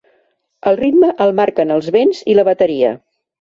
El ritme el marquen els vents i la bateria.